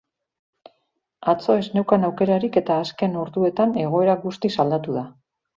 Atzo ez neukan aukerarik eta azken orduetan egoera guztiz aldatu da.